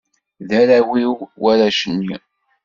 D arraw-iw warrac-nni.